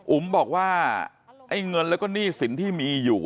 อุ๋มบอกว่าไอ้เงินแล้วก็หนี้สินที่มีอยู่